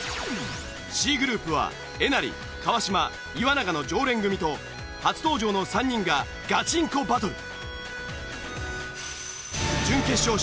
Ｃグループはえなり川島岩永の常連組と初登場の３人がガチンコバトル。